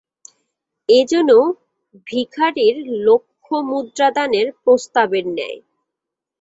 এ যেন ভিখারীর লক্ষমুদ্রাদানের প্রস্তাবের ন্যায়।